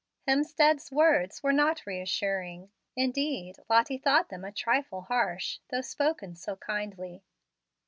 Hemstead's words were not reassuring. Indeed, Lottie thought them a trifle harsh, though spoken so kindly.